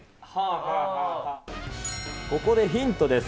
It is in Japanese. ここでヒントです。